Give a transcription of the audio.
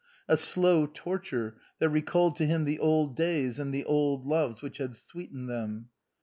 A slow torture, that recalled to him the old days and the old loves which had sweetened them.